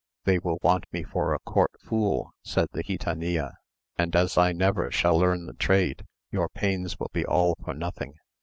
"They will want me for a court fool," said the gitanilla, "and as I never shall learn the trade, your pains will be all for nothing.